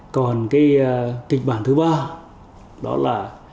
còn kịch bản thứ ba đó là